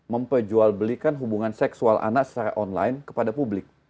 memperjualbelikan hubungan seksual anak secara online kepada publik